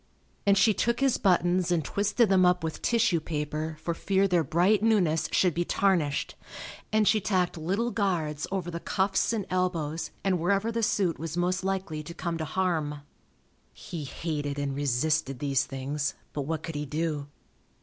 And she took his buttons and twisted them up with tissue paper for fear their bright newness should be tarnished, and she tacked little guards over the cuffs and elbows and wherever the suit was most likely to come to harm. He hated and resisted these things, but what could he do?